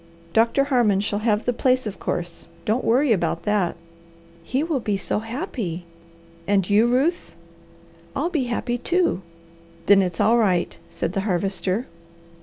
Doctor Harmon shall have the place, of course. Don't worry about that!" "He will be so happy!" "And you, Ruth?" "I'll be happy too!" "Then it's all right," said the Harvester.